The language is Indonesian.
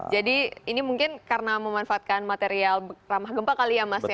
jadi ini mungkin karena memanfaatkan material ramah gempa kali ya mas ya